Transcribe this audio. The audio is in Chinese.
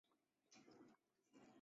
官至霍州刺史。